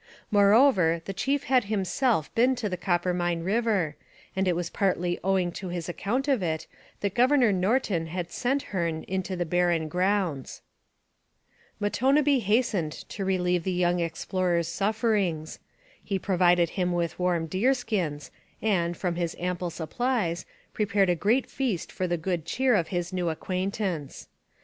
Moreover, the chief had himself been to the Coppermine river, and it was partly owing to his account of it that Governor Norton had sent Hearne into the barren grounds. [Illustration: Fort Churchill or Prince of Wales. Drawn by Samuel Hearne.] Matonabbee hastened to relieve the young explorer's sufferings. He provided him with warm deer skins and, from his ample supplies, prepared a great feast for the good cheer of his new acquaintance.